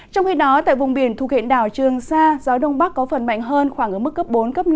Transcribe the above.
trong khi đó tại vùng biển thu kiện đảo trường sa gió đông bắc có phần mạnh hơn khoảng ở mức cấp bốn cấp năm